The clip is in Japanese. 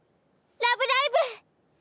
「ラブライブ！」！